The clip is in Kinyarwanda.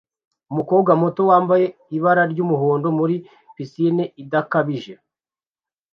Umukobwa muto wambaye ibara ry'umuhondo muri pisine idakabije